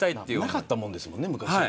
なかったもんですもんね昔は。